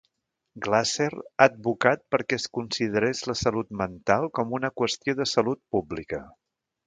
Glasser ha advocat perquè es considerés la salut mental com una qüestió de salut pública.